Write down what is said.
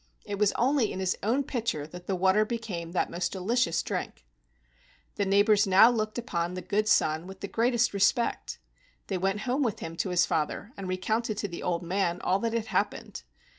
It was only in his own pitcher that the water became that most delicious drink. The neighbors now looked upon the good son with the greatest respect. They went home with him to his father and recounted to the old man all that had happened.